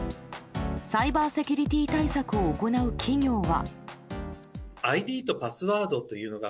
サイバーセキュリティー対策を行う企業は。